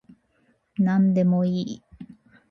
なんでもいい